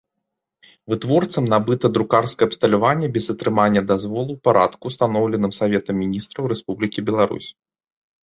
Вытворцам набыта друкарскае абсталяванне без атрымання дазволу ў парадку, устаноўленым Саветам Мiнiстраў Рэспублiкi Беларусь.